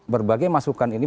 berbagai masukan ini